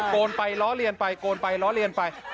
นไปล้อเลียนไปโกนไปล้อเลียนไป